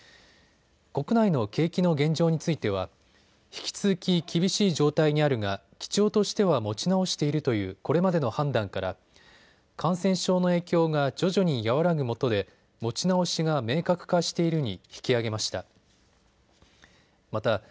国内の景気の現状については引き続き厳しい状態にあるが基調としては持ち直しているというこれまでの判断から感染症の影響が徐々に和らぐもとで持ち直しが明確化しているに引き上げました。